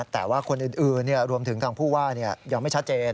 แต่ว่าคนอื่นรวมถึงทางผู้ว่ายังไม่ชัดเจน